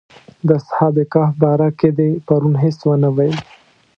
د اصحاب کهف باره کې دې پرون هېڅ ونه ویل.